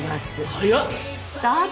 早っ！